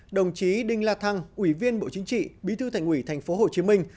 đồng chí đinh la thăng ủy viên bộ chính trị bí thư thành ủy thành phố hồ chí minh